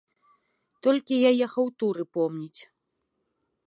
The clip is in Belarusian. Толькі яе хаўтуры помніць.